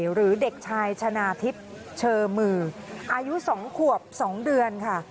หรือเด็กชายชนะทิพย์เชอมืออายุ๒ขวบ๒เดือนค่ะ